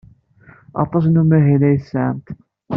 Aṭas n umahil ay tesɛamt?